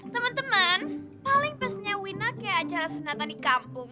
temen temen paling pastinya wina kayak acara sunatan di kampung